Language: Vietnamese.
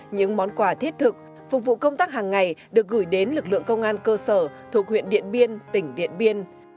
những món quà thiết thực phục vụ công tác hàng ngày được gửi đến lực lượng công an cơ sở thuộc huyện điện biên tỉnh điện biên